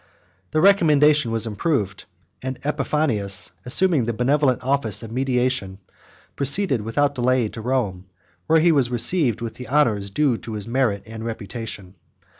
Their recommendation was approved; and Epiphanius, assuming the benevolent office of mediation, proceeded without delay to Rome, where he was received with the honors due to his merit and reputation.